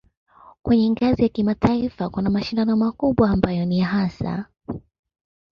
Kwenye ngazi ya kimataifa kuna mashindano makubwa ambayo ni hasa